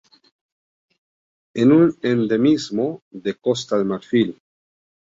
Es un endemismo de Costa de Marfil.